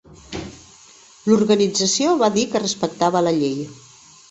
L'organització va dir que respectava la llei.